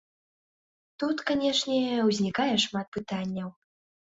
Тут, канечне, узнікае шмат пытанняў.